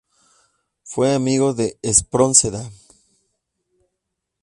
Fue amigo de Espronceda.